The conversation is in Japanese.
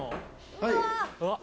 はい！